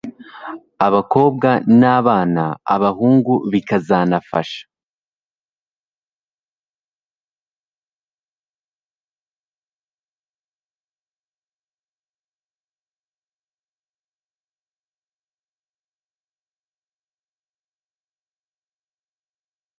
abakobwa n'abana abahungu bikazanafasha